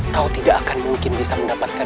kau tidak akan mungkin bisa mendapatkan